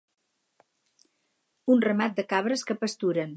Un ramat de cabres que pasturen